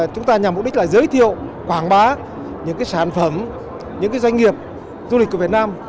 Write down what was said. chúng ta nhằm mục đích là giới thiệu quảng bá những sản phẩm những doanh nghiệp du lịch của việt nam